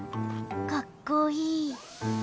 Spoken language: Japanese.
かっこいい。